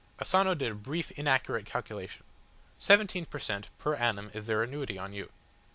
Asano did a brief, inaccurate calculation. "Seventeen per cent, per annum is their annuity on you.